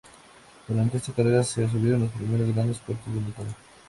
Durante esta carrera se subieron los primeros grandes puertos de montaña.